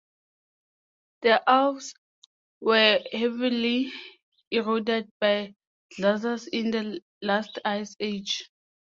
The Alps were heavily eroded by glaciers in the last ice age.